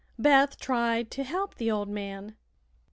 Beth tried to help the old man.